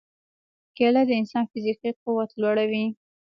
کېله د انسان فزیکي قوت لوړوي.